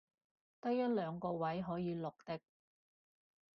得一兩個位可以綠的